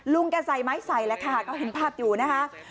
ลุงแกใส่ไม่ใส่แหละค่ะเขาเห็นภาพอยู่นะคะ